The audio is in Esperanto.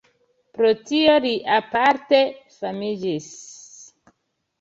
Pro tio li aparte famiĝis.